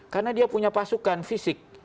karena dia punya pasukan fisik